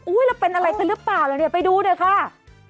แล้วเป็นอะไรกันหรือเปล่าแล้วเนี่ยไปดูหน่อยค่ะ